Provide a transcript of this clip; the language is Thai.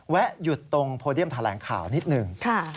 หยุดตรงโพเดียมแถลงข่าวนิดหนึ่ง